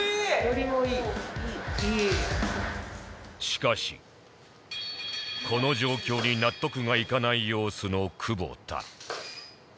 しかしこの状況に納得がいかない様子の久保田